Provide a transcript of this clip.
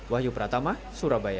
wahyu pratama surabaya